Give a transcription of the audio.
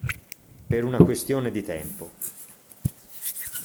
Per una questione di tempo.